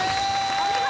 お見事